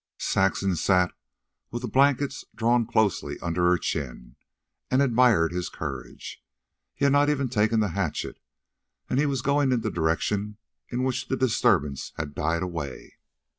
Saxon sat with the blankets drawn closely under her chin, and admired his courage. He had not even taken the hatchet, and he was going in the direction in which the disturbance had died away.